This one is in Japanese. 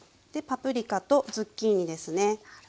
パプリカとズッキーニですね。